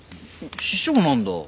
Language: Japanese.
師匠なんだ。